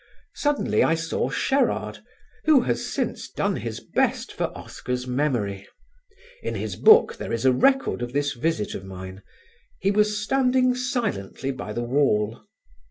Suddenly I saw Sherard, who has since done his best for Oscar's memory. In his book there is a record of this visit of mine. He was standing silently by the wall.